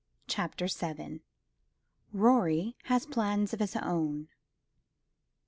CHAPTER VII. Rorie has Plans of his own.